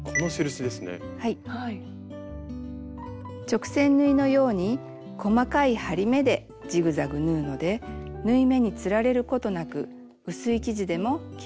直線縫いのように細かい針目でジグザグ縫うので縫い目につられることなく薄い生地でもきれいに縫えます。